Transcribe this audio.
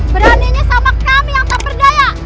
beraninya sama kami yang tak berdaya